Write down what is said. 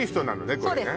これね